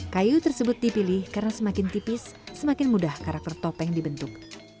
kayu tersebut dipilih karena semakin tipis semakin mudah karakter topeng dibentuk